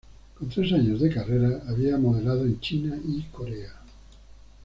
Con tres años de carrera, había modelado en China y Corea.